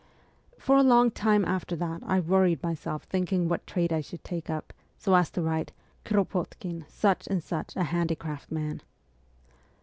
For a long time after that I worried myself thinking what trade I should take up, so as to write, ' Kropotkin, such and such a handicraft man.'